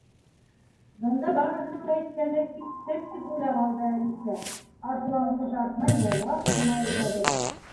«Бында барыһының да әйткәне —«киттек!» тип уйлап алды Әлисә, Арыҫланҡош артынан яйлап ҡына эйәреп.